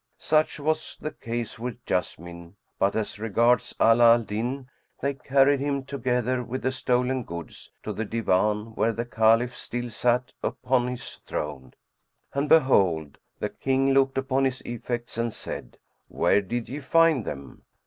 Such was the case with Jessamine; but as regards Ala al Din they carried him, together with the stolen goods, to the Divan where the Caliph still sat upon his throne. And behold, the King looked upon his effects and said, "Where did ye find them?"